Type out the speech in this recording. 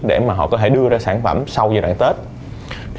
để mà họ có thể đưa ra sản phẩm sau giai đoạn tết